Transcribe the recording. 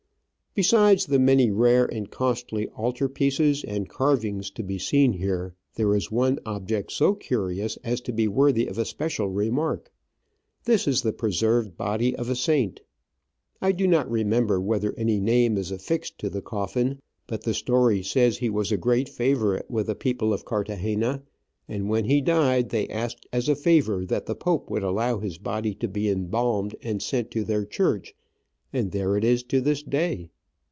Besides the many rare and costly altar pieces and carvings to be seen here, there is one object so curious as to be worthy of a special remark. This is the preserved body of a saint. I do not remember whether any name is affixed to the coffin ; but the story says he was a great favourite with the people of Carthagena, and when he died they asked as a favour that the Pope would allow his body to be embalmed and sent Digitized by VjOOQIC OF AN Orchid Hunter, 213 to their church, and there it is to this day.